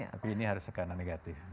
aku ini harus tekanan negatif